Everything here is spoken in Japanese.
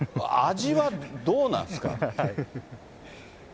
味はどうなんですか。